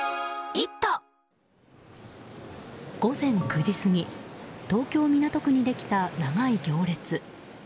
午前９時過ぎ東京・港区にできた長い行列。